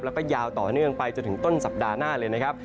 แล้วก็ยาวต่อเนื่องไปจนถึงต้นสัปดาห์หน้าเลยนะครับ